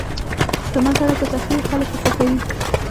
• شتمن سړی که سخي وي، خلک یې خوښوي.